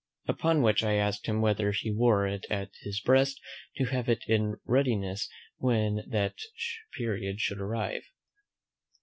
Upon which I asked him, whether he wore it at his breast to have it in readiness when that period should arrive.